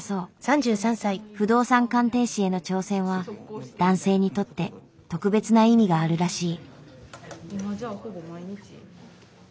不動産鑑定士への挑戦は男性にとって特別な意味があるらしい。